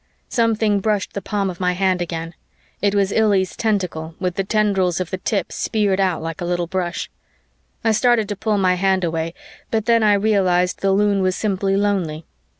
Something brushed the palm of my hand again. It was Illy's tentacle, with the tendrils of the tip spread out like a little bush. I started to pull my hand away, but then I realized the Loon was simply lonely.